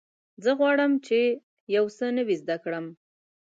زه غواړم چې یو څه نوی زده کړم.